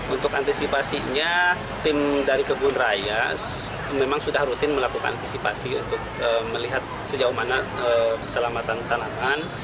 untuk antisipasinya tim dari kebun raya memang sudah rutin melakukan antisipasi untuk melihat sejauh mana keselamatan tanaman